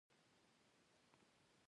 دا د دې لپاره نه چې د روم پولې وساتي